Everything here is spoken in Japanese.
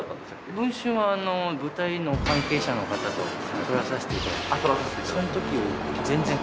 『文春』はあの舞台の関係者の方と撮らさせていただいて。